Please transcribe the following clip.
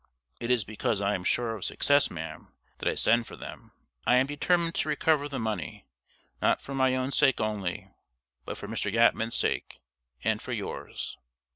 "It is because I am sure of success, ma'am, that I send for them. I am determined to recover the money, not for my own sake only, but for Mr. Yatman's sake and for yours."